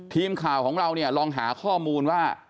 ทีมข่าวของเราเนี่ยลองหาข้อมูลว่า